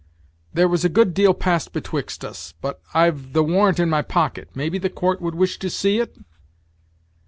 "There was a good deal passed betwixt us but I've the warrant in my pocket; maybe the court would wish to see it?"